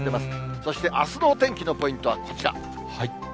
そしてあすのお天気のポイントはこちら。